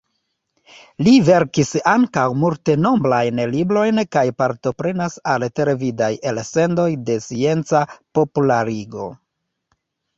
Li verkis ankaŭ multenombrajn librojn kaj partoprenas al televidaj elsendoj de scienca popularigo.